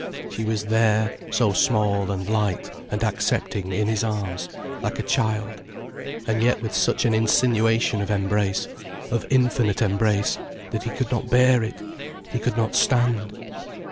She was there so small and light and accepting in his arms, like a child, and yet with such an insinuation of embrace, of infinite embrace, that he could not bear it, he could not stand.